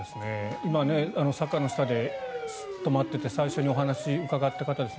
今、坂の下で止まっていて最初にお話を伺った方ですね